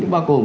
thì bao gồm